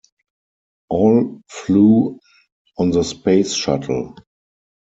All flew on the Space Shuttle.